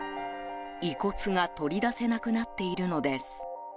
遺骨が取り出せなくなっているのです。